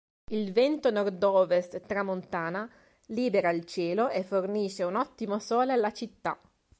Il vento nord-ovest "tramontana" libera il cielo e fornisce un ottimo sole alla città.